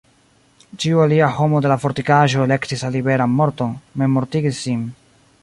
Ĉiu alia homo de la fortikaĵo elektis la liberan morton, memmortigis sin.